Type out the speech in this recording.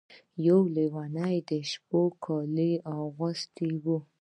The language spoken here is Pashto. یو لیوه د شپون کالي اغوستي وو.